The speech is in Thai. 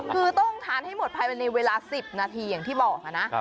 คือต้องทานให้หมดภายในเวลา๑๐นาทีอย่างที่บอกนะ